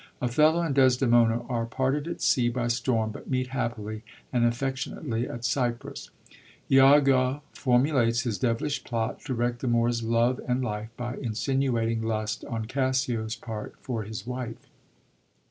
Othello and Desdemona are parted at sea by storm, but meet happily and affec tionately at Cyprus. lago formulates his devilish plot to wreck the Moor's love and life, by insinuating lust on Cassio's part for his wife.